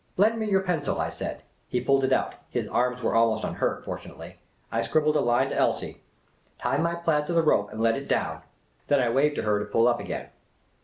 "Lend me your pencil," I said. He pulled it out — his arms were almost unhurt, fortun ately. I scribbled a line to Elsie. " Tie my plaid to the rope and let it down." Then I waved to her to pull up again.